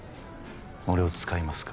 俺を使いますか？